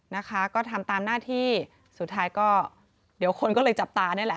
นะคะก็ทำตามหน้าที่สุดท้ายก็เดี๋ยวคนก็เลยจับตานี่แหละ